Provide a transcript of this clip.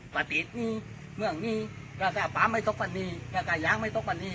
ปฏิสนี้เนื่องนี้ราคาภาพไหมต้อกฝ่านีราคาย้างไหมต้อกฝ่านี